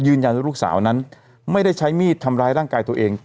ลูกสาวนั้นไม่ได้ใช้มีดทำร้ายร่างกายตัวเอง